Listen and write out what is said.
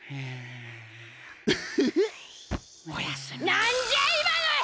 なんじゃい！